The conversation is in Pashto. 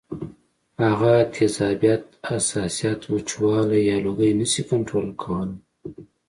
هغه تیزابیت ، حساسیت ، وچوالی یا لوګی نشي کنټرول کولی